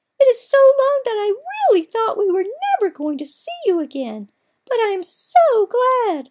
" It is so long, that I really thought we were never going to see you again. But I am so glad.